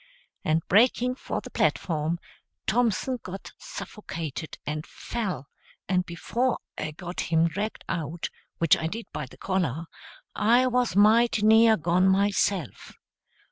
And breaking for the platform, Thompson got suffocated and fell; and before I got him dragged out, which I did by the collar, I was mighty near gone myself.